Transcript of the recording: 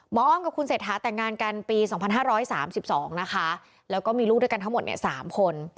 อ้อมกับคุณเศรษฐาแต่งงานกันปี๒๕๓๒นะคะแล้วก็มีลูกด้วยกันทั้งหมด๓คน